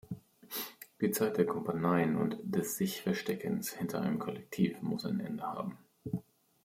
Die Zeit der Kumpaneien und des Sich-Versteckens hinter einem Kollektiv muss ein Ende haben.